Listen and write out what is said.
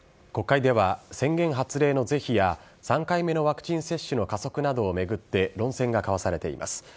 国会では、宣言発令の是非や、３回目のワクチン接種の加速などを巡って論戦が交わされています。